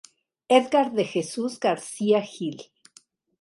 Edgar de Jesús García Gil.